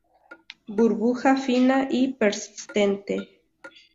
Burbuja fina y persistente.